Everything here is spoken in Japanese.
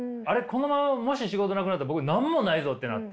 このままもし仕事なくなったら僕何もないぞってなって。